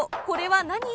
これは何？